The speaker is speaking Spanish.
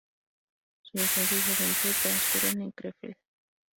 Su infancia y juventud transcurren en Krefeld.